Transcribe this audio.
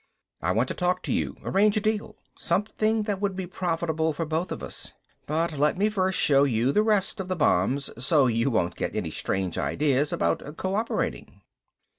"I want to talk to you, arrange a deal. Something that would be profitable for both of us. But let me first show you the rest of the bombs, so you won't get any strange ideas about co operating."